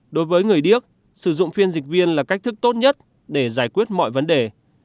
đối với người điếc sử dụng phiên dịch viên là cách thức tốt nhất để giải quyết mọi vấn đề